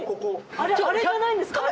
あれじゃないんですか？